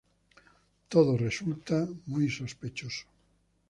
Todo resulta muy sospechoso.